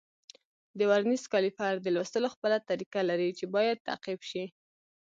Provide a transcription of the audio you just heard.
د ورنیز کالیپر د لوستلو خپله طریقه لري چې باید تعقیب شي.